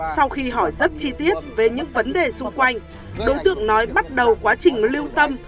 sau khi hỏi rất chi tiết về những vấn đề xung quanh đối tượng nói bắt đầu quá trình lưu tâm